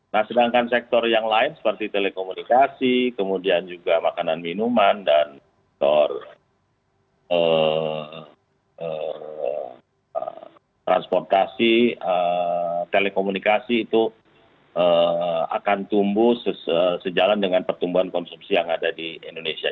nah sedangkan sektor yang lain seperti telekomunikasi kemudian juga makanan minuman dan sektor transportasi telekomunikasi itu akan tumbuh sejalan dengan pertumbuhan konsumsi yang ada di indonesia